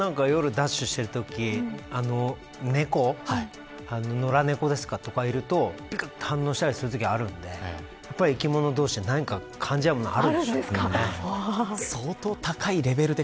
僕も夜ダッシュしてるとき野良猫ですとかがいると反応したりするときがあるんで生き物同士は、何か感じ合うものがあるんでしょうね。